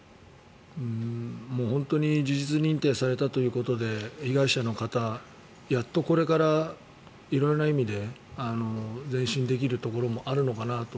本当に事実認定されたということで被害者の方やっとこれから色々な意味で前進できることもあるのかなと。